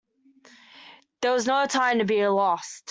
There was no time to be lost.